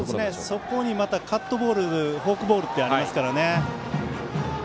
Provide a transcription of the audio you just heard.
そこにカットボールやフォークボールがありますからね。